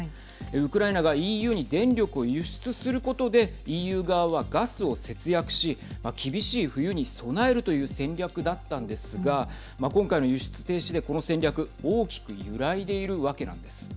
ウクライナがＥＵに電力を輸出することでＥＵ側は、ガスを節約し厳しい冬に備えるという戦略だったんですが今回の輸出停止で、この戦略大きく揺らいでいるわけなんです。